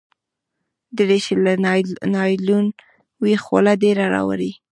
دریشي که له نایلون وي، خوله ډېره راولي.